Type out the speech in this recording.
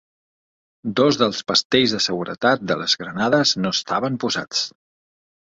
Dos dels pastells de seguretat de les granades no estaven posats.